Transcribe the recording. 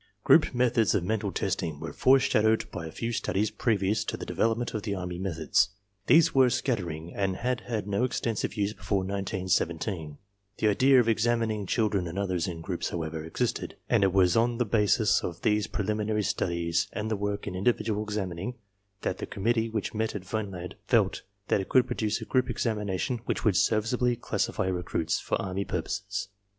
Group methods of mental testing were foreshadowed by a few studies previous to the development of the army methods. These were scattering and had had no extensive use before 1917. The idea of examining children and others in groups, however, existed and it was on the basis of these preliminary studies and the work in individual examining that the committee which met at Vineland felt that it could produce a group examination which would serviceably classify recruits for army purposes.